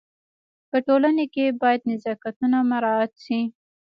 په ټولنه کي باید نزاکتونه مراعت سي.